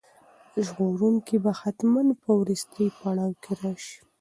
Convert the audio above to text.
ژغورونکی به حتماً په وروستي پړاو کې راشي.